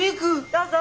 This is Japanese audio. どうぞ。